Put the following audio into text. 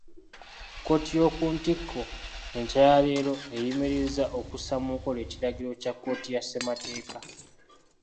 Kkooti y'okuntikko, enkya ya leero eyimirizza okussa mu nkola ekiragiro kya kkooti ya Ssemateeka.